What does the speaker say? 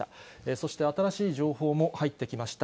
そして新しい情報も入ってきました。